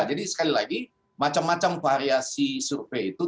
jadi sekali lagi macam macam variasi survei itu